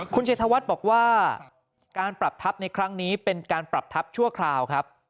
คุณชัยธวัฒน์บอกว่าการปรับทัพในครั้งนี้เป็นการปรับทัพชั่วคราวครับ